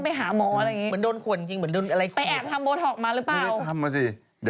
ไปแอบทำโบท็อกมาหรือเปล่า